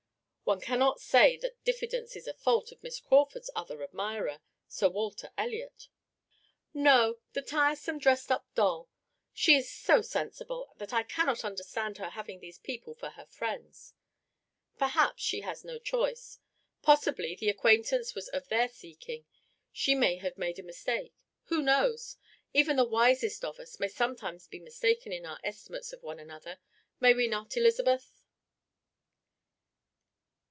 "One cannot say that diffidence is a fault of Miss Crawford's other admirer, Sir Walter Elliot." "No, the tiresome, dressed up doll! She is so sensible, that I cannot understand her having those people for her friends." "Perhaps she has no choice. Possibly the acquaintance was of their seeking; she may have made a mistake. Who knows? Even the wisest of us may sometimes be mistaken in our estimates of one another, may we not, Elizabeth?"